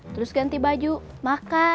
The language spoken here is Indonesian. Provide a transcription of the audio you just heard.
terus ganti baju makan